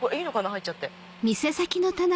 入っちゃって。